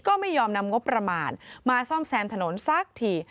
ก็ไม่ยอมนำงบประมาณมาซ่อมแซมถนนสักที